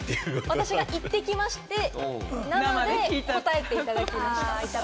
私が行ってきまして、生で答えていただきました。